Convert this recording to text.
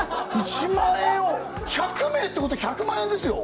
１万円を１００名ってことは１００万円ですよ？